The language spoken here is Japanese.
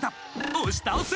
おしたおせ！